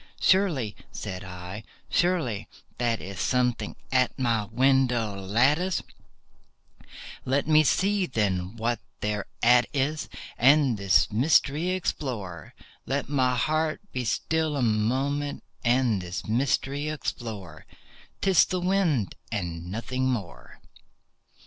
"Surely," said I, "surely that is something at my window lattice; Let me see, then, what thereat is, and this mystery explore— Let my heart be still a moment, and this mystery explore;— 'Tis the wind and nothing more."